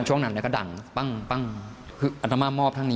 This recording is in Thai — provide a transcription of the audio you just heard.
ช่วงนั้นเนี่ยมองคนที่จะไปจุดเทียนชนวนให้พระธานอยู่